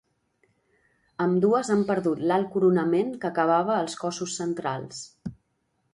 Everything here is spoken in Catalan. Ambdues han perdut l'alt coronament que acabava els cossos centrals.